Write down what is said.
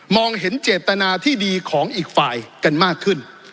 เห็นเจตนาที่ดีของอีกฝ่ายกันมากขึ้น